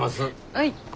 はい。